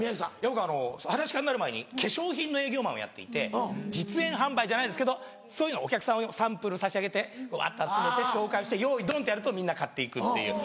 僕はなし家になる前に化粧品の営業マンをやっていて実演販売じゃないですけどそういうのお客さんをサンプル差し上げてわって集めて紹介して用意ドン！ってやるとみんな買っていくっていう。